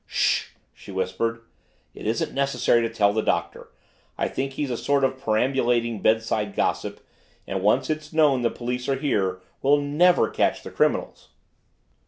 "Ssh!" she whispered. "It isn't necessary to tell the Doctor. I think he's a sort of perambulating bedside gossip and once it's known the police are here we'll NEVER catch the criminals!"